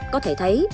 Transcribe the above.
có thể thấy